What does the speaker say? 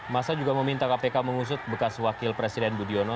masa juga meminta kpk mengusut bekas wakil presiden budiono